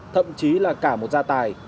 thậm chí là cả một gia tài